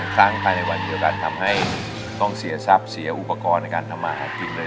ครั้งภายในวันเดียวกันทำให้ต้องเสียทรัพย์เสียอุปกรณ์ในการทำมาหากินเลย